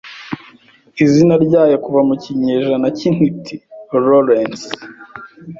izina ryayo kuva mu kinyejana k intiti Laurence